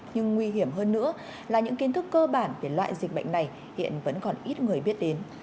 nhưng nguy hiểm hơn nữa là những kiến thức cơ bản về loại dịch bệnh này hiện vẫn còn ít người biết đến